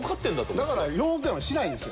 だから４億円はしないですよ。